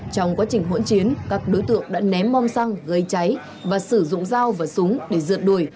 trong quá trình hỗn chiến các đối tượng đã ném bom xăng gây cháy và sử dụng dao và súng để rượt đuổi